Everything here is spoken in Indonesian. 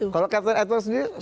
kalau captain edward sendiri